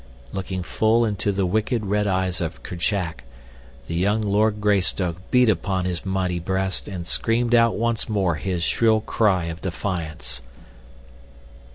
Looking full into the wicked, red eyes of Kerchak, the young Lord Greystoke beat upon his mighty breast and screamed out once more his shrill cry of defiance.